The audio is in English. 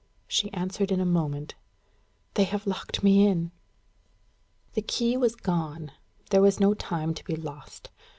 She answered in a moment: "They have locked me in." The key was gone. There was no time to be lost.